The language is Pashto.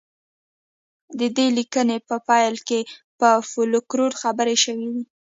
د دې لیکنې په پیل کې په فولکلور خبرې شوې دي